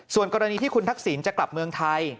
ส่วนกรณีที่คุณทักษิณจะกลับเมืองไทย